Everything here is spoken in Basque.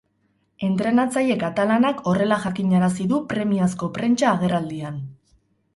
Entrenatzaile katalanak horrela jakinarazi du premiazko prentsa-agerraldian.